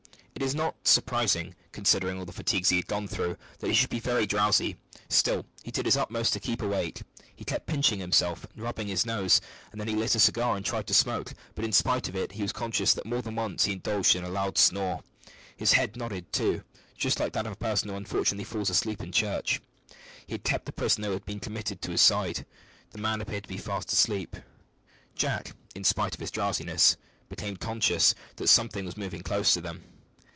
It is not surprising, considering all the fatigues he had gone through, that he should be very drowsy. Still, he did his utmost to keep awake. He kept pinching himself and rubbing his nose, and then he lit a cigar and tried to smoke; but, in spite of it, he was conscious that more than once he indulged in a loud snore. His head nodded, too, just like that of a person who unfortunately falls asleep in church. He had kept the prisoner who had been committed to his side. The man appeared to be fast asleep. Jack, in spite of his drowsiness, became conscious that something was moving close to them.